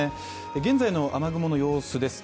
現在の雨雲の様子です。